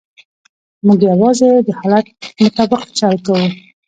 موږ یوازې د حالت مطابق چل کوو.